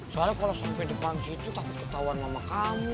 soalnya kalau sampai depan situ takut ketahuan mama kamu